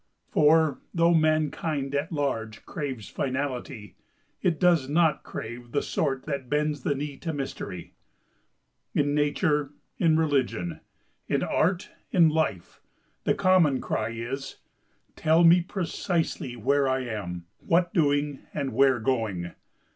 For, though mankind at large craves finality, it does not crave the sort that bends the knee to Mystery. In Nature, in Religion, in Art, in Life, the common cry is: "Tell me precisely where I am, what doing, and where going!